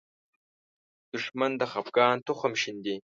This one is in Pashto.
دښمن د خپګان تخم شیندي